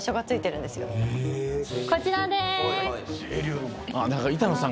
こちらです。